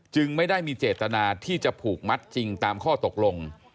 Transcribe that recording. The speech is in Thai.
ไม่ได้มีเจตนาที่จะผูกมัดจริงตามข้อตกลง